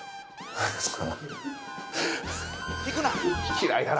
嫌いだな